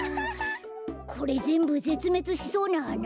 これぜんぶぜつめつしそうなはな？